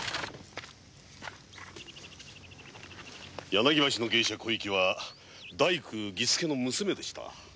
柳橋の芸者小雪は大工儀助の娘でした。